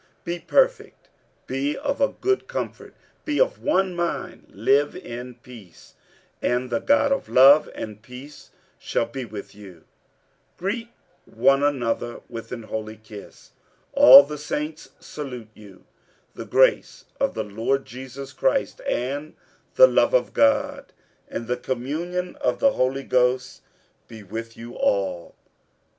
Be perfect, be of good comfort, be of one mind, live in peace; and the God of love and peace shall be with you. 47:013:012 Greet one another with an holy kiss. 47:013:013 All the saints salute you. 47:013:014 The grace of the Lord Jesus Christ, and the love of God, and the communion of the Holy Ghost, be with you all.